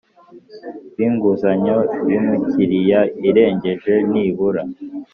binguzanyo y’umukiriya irengeje nibura